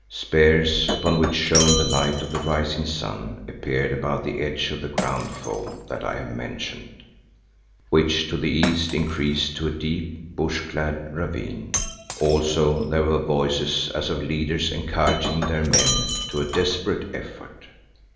Spears upon which shone the light of the rising sun, appeared above the edge of the ground fold that I have mentioned, which to the east increased to a deep, bush clad ravine. Also there were voices as of leaders encouraging their men to a desperate effort.